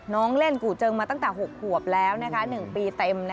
เล่นกู่เจิงมาตั้งแต่๖ขวบแล้ว๑ปีเต็ม